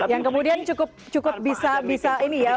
yang kemudian cukup cukup bisa bisa ini ya